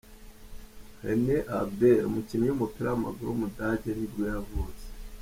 René Adler, umukinnyi w’umupira w’amaguru w’umudage nibwo yavutse.